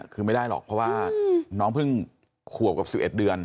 คือไม่ได้หรอกเพราะว่าน้องเพิ่งขวบกับ๑๑เดือน